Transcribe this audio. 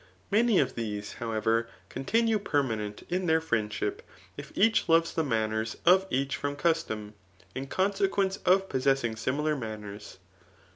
Many of these, however, ochi« tinue permanent in their friendship, if each loves die manners of each from custom, in consequence of pos* sessing similar manners.